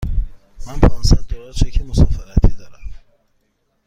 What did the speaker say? من پانصد دلار چک مسافرتی دارم.